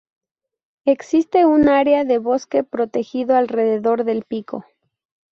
Existe un área de bosque protegido alrededor del pico.